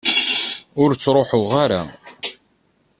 Ur ttṛuḥuɣ ara.